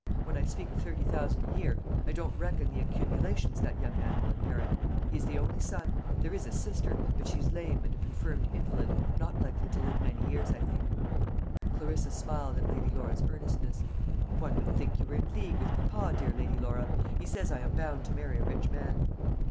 When I speak of thirty thousand a year, I don't reckon the accumulations that young man will inherit. He is the only son. There is a sister; but she is lame and a confirmed invalid not likely to live many years, I think." Clarissa smiled at Lady Laura's earnestness. "One would think you were in league with papa, dear Lady Laura. He says I am bound to marry a rich man."